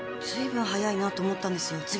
ずいぶん早いなと思ったんですよ。